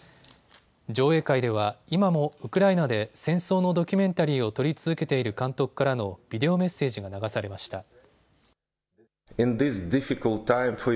上映会では今もウクライナで戦争のドキュメンタリーを撮り続けている監督からのビデオメッセージが流されました。